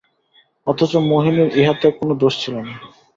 অথচ মোহিনীর ইহাতে কোনো দোষ ছিল না।